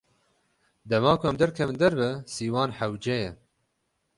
Dema ku em derkevin derve, sîwan hewce ye.